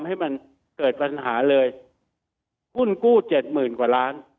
ให้มันเกิดปัญหาเลยหุ้นกู้เจ็ดหมื่นกว่าล้าน